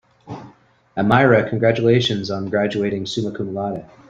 "Amira, congratulations on graduating summa cum laude."